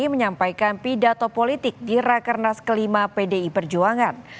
menyampaikan pidato politik di rakernas kelima pdi perjuangan